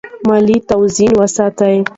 مالي توازن وساتئ.